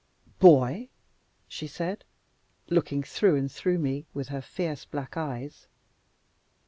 "Boy!" she said, looking through and through me with her fierce black eyes.